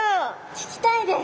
聞きたいです。